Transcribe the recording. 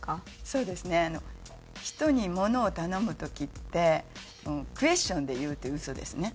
そうですね人にものを頼む時ってクエスチョンで言うっていうウソですね。